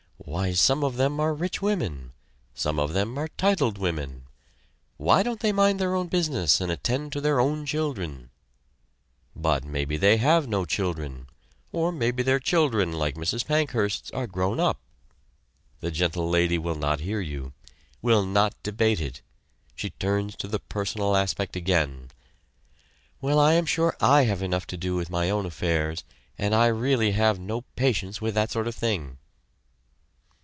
"Why some of them are rich women some of them are titled women. Why don't they mind their own business and attend to their own children?" "But maybe they have no children, or maybe their children, like Mrs. Pankhurst's, are grown up!" The Gentle Lady will not hear you will not debate it she turns to the personal aspect again. "Well, I am sure I have enough to do with my own affairs, and I really have no patience with that sort of thing!"